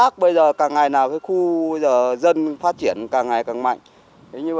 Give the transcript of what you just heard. các dân phát triển càng ngày càng mạnh